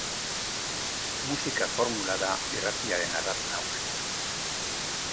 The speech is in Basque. Musika formula da irratiaren ardatz nagusia.